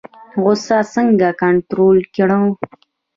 غوسه څنګه کنټرول کړو؟